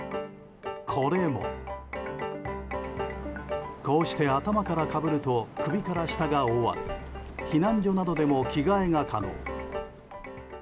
これも、こうして頭からかぶると首から下が覆われ避難所などでも着替えが可能。